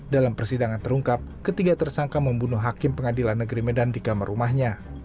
dalam persidangan terungkap ketiga tersangka membunuh hakim pengadilan negeri medan di kamar rumahnya